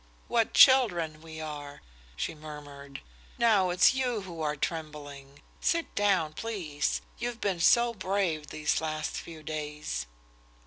"What children we are!" she murmured. "Now it's you who are trembling! Sit down, please. You've been so brave these last few days."